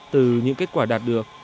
từ những kết quả đạt được